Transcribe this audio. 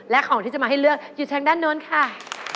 และของที่จะมาให้เลือกอยู่ทางด้านโน้นค่ะ